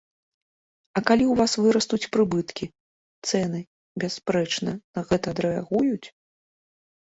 А калі ў вас вырастуць прыбыткі, цэны, бясспрэчна, на гэта адрэагуюць!